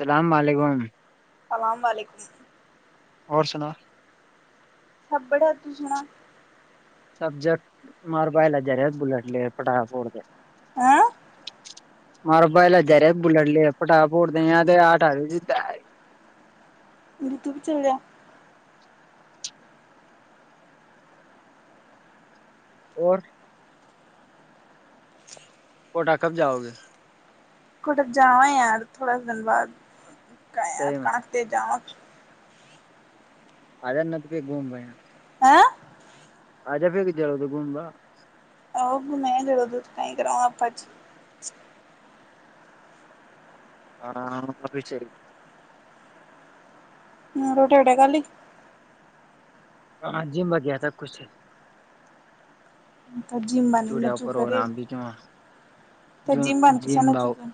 اللام علیکم اللام علیکم اور سنا سبڑ ا تجنا سبجیکٹ مار پلا جر بلٹ ل پٹا فڑتے ا مارے پ ل جارے بلٹ لے پٹا پٹ د آٹ آ جتا آ تو بھی چلیا اور کوٹا کب جاؤ گے کٹب جاوا یار تھوڑا سا دن بعد ک کنکتے جاؤ آجر ن تو پ گھوم ب ہ [unintelligible] آ جا پھر کہ جل تو گھوم گا اور گ میں گڑ دود کا ا گرا آپا ہاں اب شی ہ روٹی اٹیا کالی [unintelligible] ہاں جی ب گیا تھا کچھ تو جیممانی نچو کر ت جیمبان کسانو چکن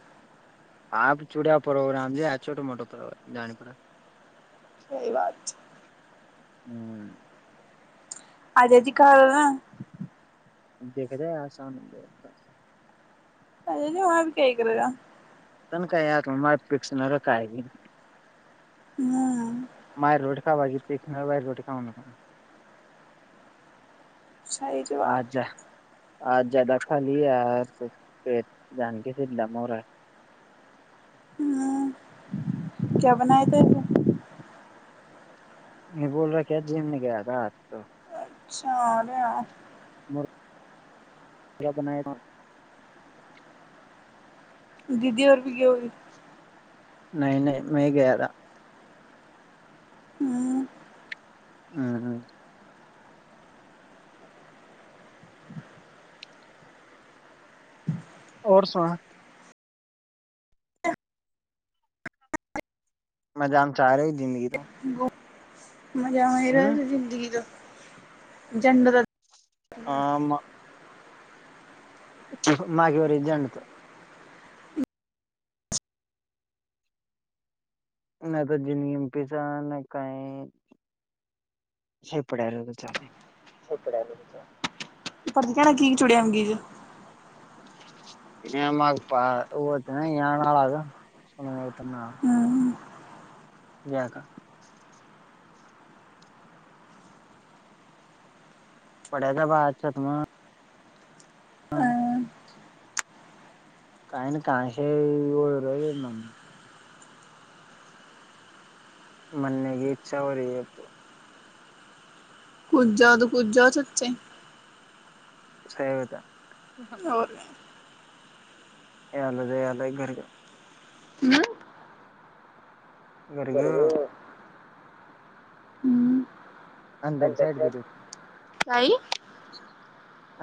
آپ چڑیا پروگرام ج آ چوٹو موٹا پر ج پ سی بات ہوں [unintelligible] اجد کاال دکھ جائے آسان ال اے وہاں بھی ککر گا تن کایں آیا تو میں مات پس نہ رکھائی ہ [unintelligible] ماہر روٹ کا با جی پھنا باہر روٹ کاؤنا صحی جو باب آج جیادہ خالی آ تو پ جانک سےلا م رہا ہے ہوں کیا بنایا تھ وہ نہیں بول رہا کیا جم میں گیا تھا آج تو [unintelligible] پا بنایا تھا [unintelligible] نہیں نہیں میں گیا تھا [unintelligible] آور سنائے میں جان چاہ رہی ہ زندگی تو مزہ م رہا زندگی کا جنڈ [unintelligible] [unintelligible] [unintelligible] نہ تو ج نم پیس نہ کیں س پڑا رہ ہو تو چے ا پرڑتی کیا نا کی چڑیام گج م پ وہچ اں ن آ آگا نا [unintelligible] ج کا [unintelligible] پڑے گا با اچھا تمہ کیں ن کہاں سے و رہ م من گ اچا ہوور یہ تو کھ جاؤ تو کھ جاؤ چچے سی ہو تھا ل ج ل ہے گھر گ مرگ اندر سائڈ کر تھ کیااہ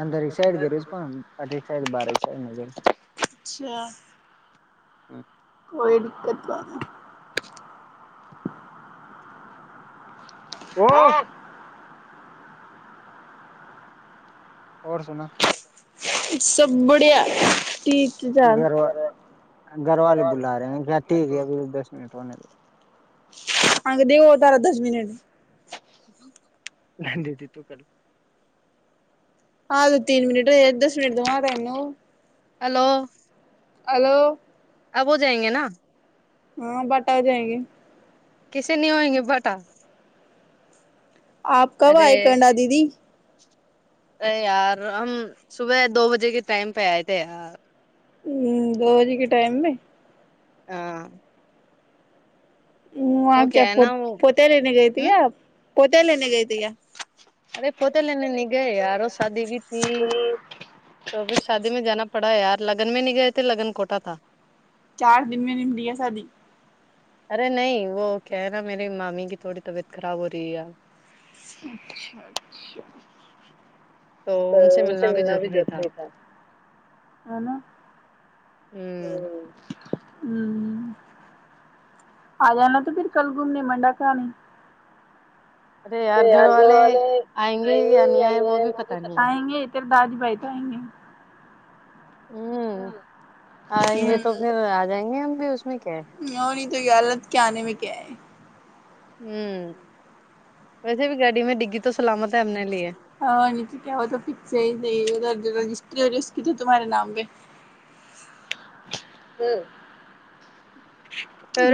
اندر ایک سائڈ گی پ آٹ ایک سائڈ بار ایک سائڈ نہ گی اچھا ہاں [inaudible] کوئی دقت کو [unintelligible] وہ [unintelligible] اور سنا [unintelligible] سبڑیا گھر وال گھر والے بلا رہے ہیں کیا ٹھیک ہے ابھی دس منٹ ہونے لگ آنگ د ہو تارا دس میں نٹ دیدی تو کل ہاں تو تین منٹ ایک دس منٹ دو م رہا ن ہیلو ہلو اب ہو جائیں گے نا ہاں بٹا ہو جائیں گی کسے نہیں ہوئیں گے بٹا آپ کب آائ کرناا دیدی ا یار ہم صبح دو بجے کے ٹائم پہ آئے تھے یار ہ دو بجے کے ٹائم میں ہاں وہاں کیا پوتے لینے گئے تھی کیا آپ پتے لےنے گئی ت ارے پتے لےنے نی گئے آار ساد ا بھی تھی تو پھر شادی میں جانا پڑا ہے یار لگن میں نہیں گئے تھے لگن کوٹا تھا چار دن میں نم لیا شادی ارے نہیں وہ کہ ہے نا میری مامی کی تھوڑی طبیعت خراب ہو رہی ہے ی اچھا اچھا تو ان سے ملنا بھی ضروری تھا نا ہ ہ آ جانا تو پھر کل گھومنے منڈا کے آنے ارے ار گھر والے آئیں گے یا نہیں می بتائیں گے پیر دادی بھائی تو آئیں گے وہ نہیں تو یہ حالت کیا آنے میں کیا ہے [unintelligible] ہوں ویسے بھی گاڑی میں ڈگی تو سلامت ہے ہم نے لیا ہے ہاں نچ کیات پکس رسری کت تمہارے نام گ ہ [unintelligible]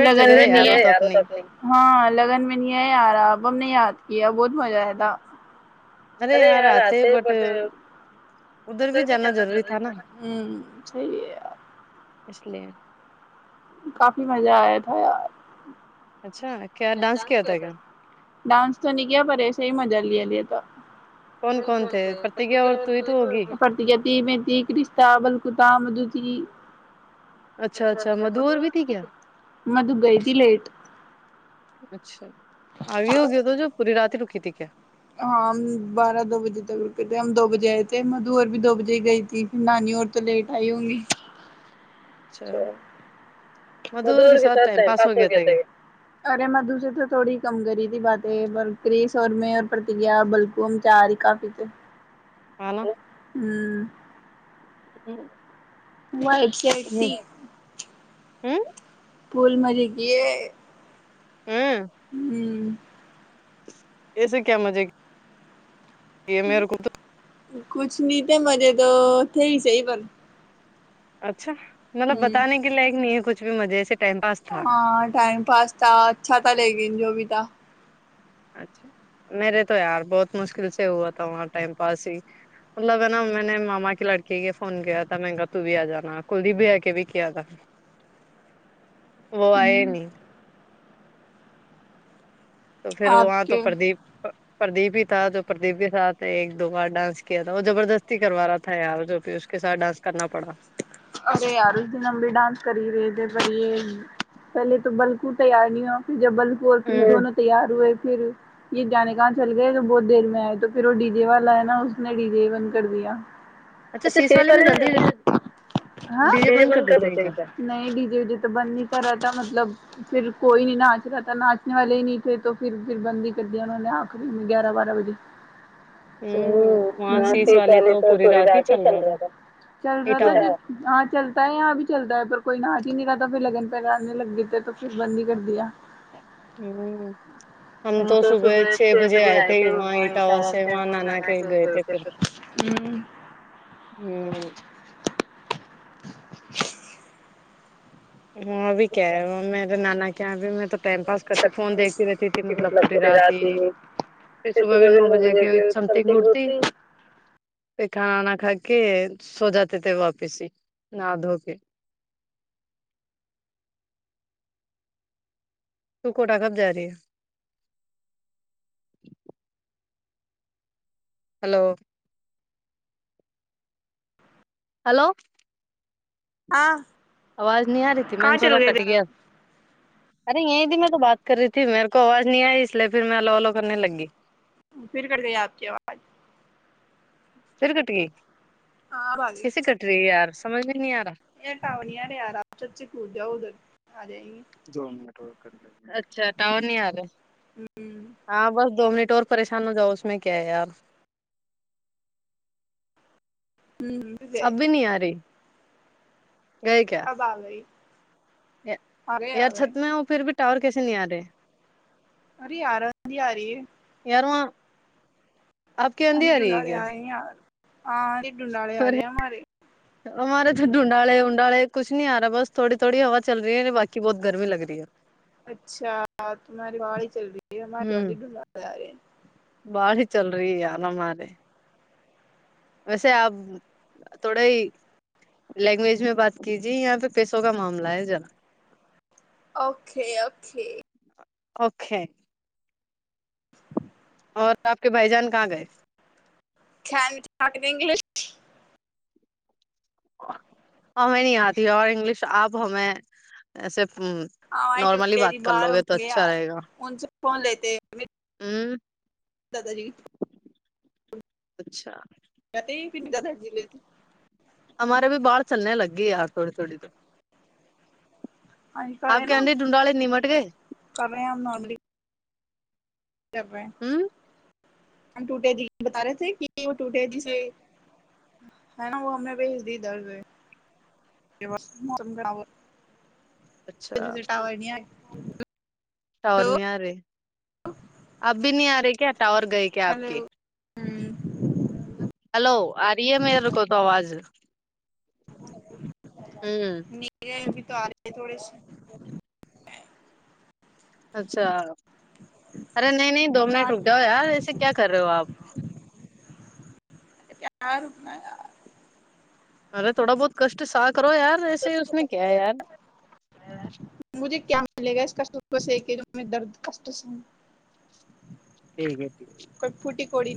لگن میں نہیں ہاں لگن میں نہیں ہے ار ا ہم نے یاد کیا بہت مزہ آیا تھا ارے یار آتے بٹ اتھر بھی جانا روری تھا نا ہ ہے یار کافی مزہ آیا تھا یار ڈ ڈانس تو نہیں کیا پر ایسے ہی مزہ لیا لیا تھا پر ت متی کرشہ بلکتا مدوتی اچھا اچھا م د گئی ت لےٹ اچھا آگے ہوگی تو جو پوری رات ہی رکی تھی ا کیا [unintelligible] ہاں ہم بارہ دو بجے تک رکے تھے ہم دو بجے آئے تھے مدو اور بھی دو بجے ہی گئی تھی پھر نانی اور تو لیٹ آئی ہوں گی اچھا مدور کے ساتسوںتے ارے مدو سے تو تھوڑی کم کری تھی ے پر کرس اور میں اور پرت بلکو ہم چ رہ ہی کافی تھے ہوں ہ وہ ویبسائٹ ت ہوں پول مری گ ہوں ایسے کیا مجزے کی یہ مییر کد کچھ نہیں تھے مزے تو تھے ہی سے ہیی پر اچھا مطلب بتانے کے لے ایک نہیں کچھ بھی مزے سے ہاں ٹائم پاس تھا اچھا تھا لیکن جو بھی تاہ اچھا میرے تو یار بہت مشکل سے ہوا تھا وہاں ٹائم پاس ہی مطلب ہے نا میں نے ماما کی لڑکی کے فون کیا تھا میں کہا تو بھی آ جانا کلدی بھی آ کے بھی کیا تھا وہ آئے نہیں تو پھر وہاں تو پردیپ پردیپ ہی تھا جو پردیپ کے ساتھ ایک دو بار ڈانس کیا تھا وہ زبردستی کروا رہا تھا یار جو بھی اس کے ساتھ ڈانس کرنا پڑا ارے یار اس دن لمبے ڈانس کر ہی رہے تھے ب یہ پہلے تو بلکو تیار نہیں ہوا پھر جب بل پو اور کرونوں تیار ہوئے پھر یہ جانے کہاں چل گئے تو بہت دیر میں آئے تو پھر وہ ڈی جے والا ہے نا نی ج بند کر دییا اچھا س والے ہو ج ہاں بند کر نہیں ڈجے وے تو بند نہیں کر رہا تھا مطلب پھر کوئی نہیں ناچ رہا تھا ناچنے والے ہی نہیں تھے تو پھر پھر بند ہی کر دیا انہوں نے آخری گیارہ بارہ بجے ہ ہ شیت والی تو پڑی رات ہی چلے رہا ہاں چلتا ہے یہاں بھی چلتا ہے پر کوئی ناچ ہی نہیں رہاتا پھر لگن پہگانے لگ گئے تھے تو پھر بند ہی کر دیا ہ ہم تو صبح چھ بجے آئے تھے وہاں ایٹاور سے وہاں نانا کے گئے تھے پھر ہ وہ بھی کیا م نانا کیا بھی میں ٹائم پاس کرتی فون دیکھتی رہتی تھی مطلب پوری رات ہی پھر صبح بھی نو بجے کے سم تھنگ اٹتی پ کھانا کھا کے سو جاتے تھے واپس ہی نہا دھو کے تو کوٹا کب جا رہی ہے ہلو ہلو ہ آواز نہیں آ رہی تھی میں نے سوا کٹ گیا ارے یہیں تھی میں تو بات کر رہی تھی میرے کو آواز نہیں آئی اس لیے پھر میں ہلوہہلو کرنے لگی پھر کڑ گئی آپ کی آواز پر کٹ کی کسے کھٹ ری ہیں یار سمج یا ٹاونیر را سے کدا اگل [unintelligible] جو نڈورق اچھا ٹاؤر نہیں آ رہا ہاں بس دو منٹ اور پریشان ہو جاؤ اس میں کیا ہے یار ہوں ج ج [unintelligible] گئے کیا یار چھت میں ہ پھر بھی ٹاور کیسے نہیں آ رہے اری آنندی اری ہے ارواں [inaudible] آپ کے اندھی آ رہی ہے کیا ہاں ڈڈوڈے آ رہے ہیں مارے ہمارے توھر ڈھونڈالےنڈالے کچھ نہیں آ رہا بس تھوڑی تھوڑی ہوا چل رہی ہے بای بہت گرمی لگ رہی ہے اچھا تمہاری گاڑی چل رہی ہے ہمے تود ڈھلا جا رہے چل رہی یار ہمارے ویسے آپ تھوڑا ہی لینگویج میں بات کیجے یہاں پہ پیسوں کا معاملہ ہے ذرا اوکے اوکے اوکے [inaudible] اور آپ کے بھائی جان کہاں گئے کین وی ٹایک عن انگلش ہمیں نہیں آتی اور انگلش آپ ہمیں ایے ہوں نارملی بات کر لو گے تو اچھا رہے گا فون لےتے ہوں دادا جی اچھا میںتے یہ پ دادا جلعے سے ہمارے بھی باڑھ چلنے لگی یار تھوڑی تھوڑی تو ا کڑے نا کرڑے آ ہم نلی جبے [unintelligible] ہم ٹوٹے جی بتا رہے تھے کہ وہ ٹوٹے جیسے ہے نا وہ ہمیں بھیج دی درد موم خراب ہو پ ج سے ٹاور نہیں آگ [unintelligible] [inaudible] شاور نہیں آ رہے اب بھی نہیں آ رہے کیا ٹاور گئے کیا آپ کے ہوں ہلو اریے میر ر کو تو آواز نہیں [unintelligible] تو آ رہے تھڑے سے اچھا ارے نہیں نہیں دو منٹ رک جاؤ یار ویسے کیا کر رہے ہو آپ ا کیا رکنا [unintelligible] ارے تھوڑا بہت کشٹ سال کرو یار ویسے ہی اس نے کیا ہے یار ملے گا اس کشٹ کو سے کہ تہ میں درد کشٹس ہ ٹھیک ہے ٹھیک پڑی